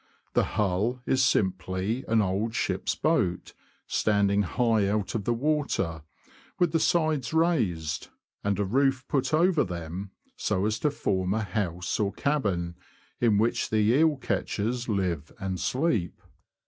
The hull is simply an old ship's boat, standing high out of the water, with the sides raised, and a roof put over them, so as to form a house, or cabin, in which the eel catchers live and sleep.